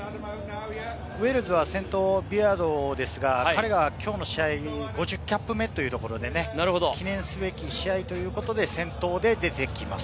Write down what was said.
ウェールズは先頭がビアードですけれども、彼がきょうの試合に５０キャップ目というところで記念すべき試合ということで、先頭で出てきます。